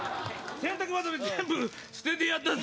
洗濯ばさみ全部捨ててやったぜ。